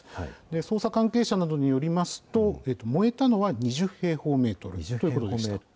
捜査関係者などによりますと、燃えたのは２０平方メートルということでした。